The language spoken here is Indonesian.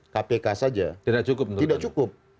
kpk saja tidak cukup